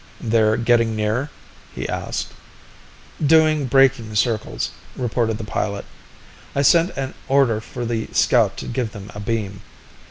"They're getting near?" he asked. "Doing braking circles," reported the pilot. "I sent an order for the scout to give them a beam.